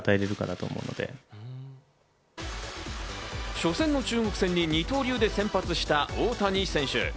初戦の中国戦に二刀流で先発した大谷選手。